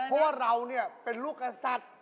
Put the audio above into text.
เพราะเรานี่เป็นลูกอัศัทธิ์